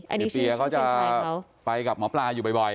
เดี๋ยวเปียเขาจะไปกับหมอปลาอยู่บ่อย